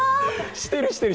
してるしてる！